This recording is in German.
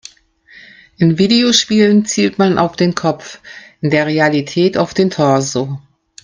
In Videospielen zielt man auf den Kopf, in der Realität auf den Torso.